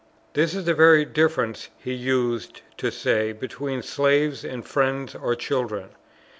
This is the very difference, he used to say, between slaves, and friends or children.